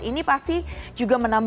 ini pasti juga menambah